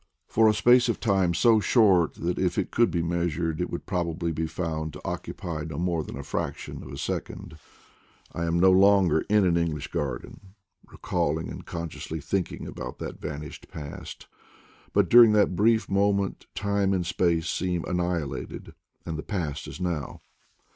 For a space of time so short that if it could be measured it would probably be found to occupy no more than a fraction of a second, I am no longer in an English garden recalling and con sciously thinking about that vanished past, but during that brief moment time and space seem annihilated and the past is now.